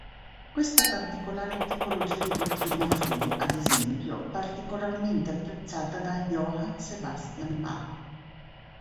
Questa particolare tipologia di dottrina fu, ad esempio, particolarmente apprezzata da Johann Sebastian Bach.